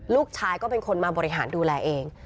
ลูกชายก็เป็นคนมาบริหารดูแลเอง